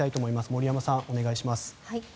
森山さん、お願いします。